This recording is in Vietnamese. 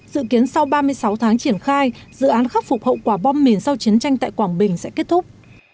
dự kiến sau ba mươi sáu tháng triển khai dự án khắc phục hậu quả bom mìn sau chiến tranh tại quảng bình sẽ kết thúc